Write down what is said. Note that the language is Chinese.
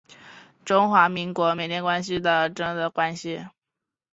中华民国与缅甸关系是指中华民国与缅甸联邦共和国之间的关系。